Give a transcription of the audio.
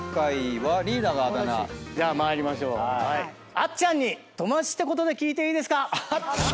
あっちゃんに友達ってことで聞いていいですか？